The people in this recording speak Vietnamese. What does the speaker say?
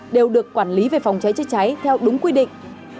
đều được quản lý về phòng cháy chữa cháy theo đúng quy định